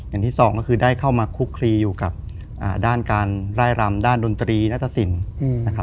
อย่างที่สองก็คือได้เข้ามาคุกคลีอยู่กับด้านการไล่รำด้านดนตรีนัตตสินนะครับ